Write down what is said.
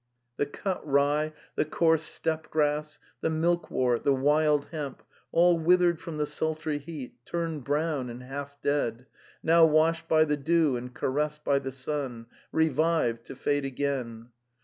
The cut rye, the coarse steppe grass, the milk wort, the wild hemp, all withered from the sultry heat, turned brown and half dead, now washed by the dew and caressed by the sun, revived, to fade again.